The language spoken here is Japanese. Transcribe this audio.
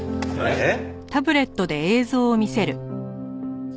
えっ？